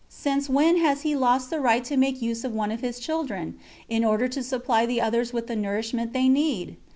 Since when has He lost the right to make use of one of His children, in order to supply the others with the nourishment they need?